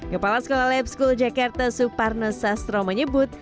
kepala sekolah lab school jakarta suparno sastro menyebut